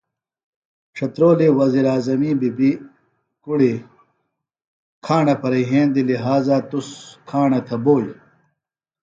اسام تھےۡ ڇھترولی ݜوئی حُکم بھِلوۡکیۡ ڇھترولیۡ وزیراعظمی بی بی (کُڑیۡ) کھاݨہ پھرےۡ یھیندیۡ لہٰذا تُس کھاݨہ تھےۡ بوئیۡ